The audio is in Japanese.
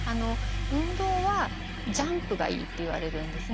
運動はジャンプがいいっていわれるんですね。